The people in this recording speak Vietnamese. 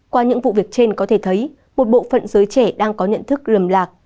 qua những vụ việc trên có thể thấy một bộ phận giới trẻ đang có nhận thức lầm lạc